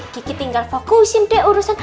gigi tinggal fokusin deh urusan